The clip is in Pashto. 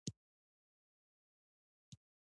بادام د افغان نجونو د پرمختګ لپاره فرصتونه برابروي.